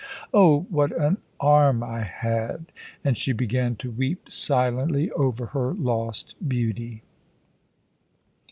Oh, what an arm I had!" and she began to weep silently over her lost beauty.